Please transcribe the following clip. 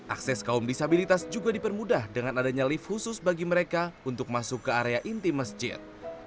akses kaum disabilitas juga dipermudah dengan adanya lift khusus bagi mereka untuk masuk ke area inti masjid